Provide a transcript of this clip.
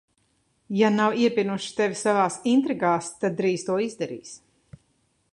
Ja nav iepinuši tevi savās intrigās, tad drīz to izdarīs.